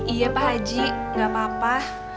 iya pak haji gak apa apa